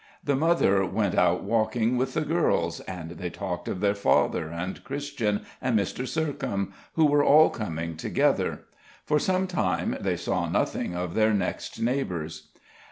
The mother went out walking with the girls, and they talked of their father and Christian and Mr. Sercombe, who were all coming together. For some time they saw nothing of their next neighbours.